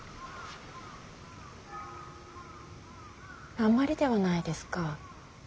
あんまりではないですか。